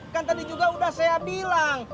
kan tadi juga sudah saya bilang